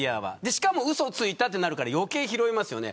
しかも、うそついたとなるから余計拾いますよね。